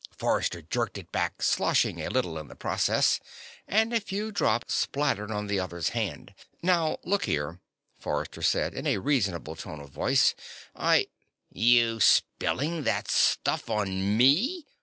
Forrester jerked it back, sloshing it a little in the process and a few drops splattered on the other's hand. "Now look here," Forrester said in a reasonable tone of voice. "I " "You spilling that stuff on me?